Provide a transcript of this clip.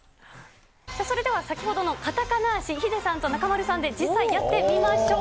それでは先ほどのカタカナーシ、ヒデさんと中丸さんで、実際やってみましょう。